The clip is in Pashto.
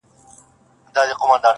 دا به چيري خيرن سي.